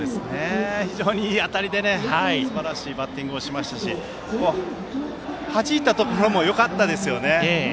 非常にいい当たりですばらしいバッティングをしましたしはじいたところもよかったですね。